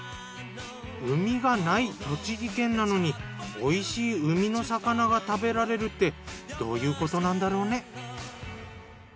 海がない栃木県なのに美味しい海の魚が食べられるってどういうことなんだろうね。